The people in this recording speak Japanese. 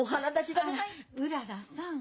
あっうららさん。